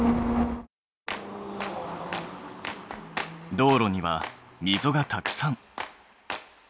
道路にはみぞがたくさん。